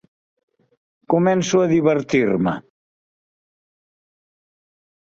Començo a divertir-me.